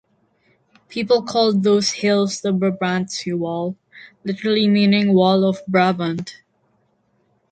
People called those hills the "Brabantse Wal", literally meaning "wall of Brabant".